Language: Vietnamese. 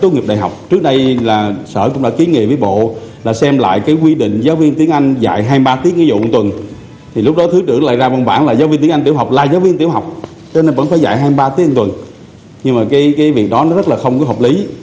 nhưng mà cái việc đó nó rất là không có hợp lý